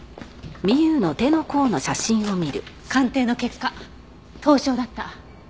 鑑定の結果凍傷だった。